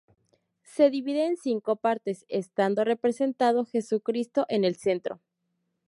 Se divide en cinco partes, estando representado Jesucristo en el centro.